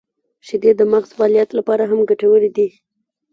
• شیدې د مغز د فعالیت لپاره هم ګټورې دي.